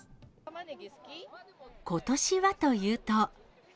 ことしはというと。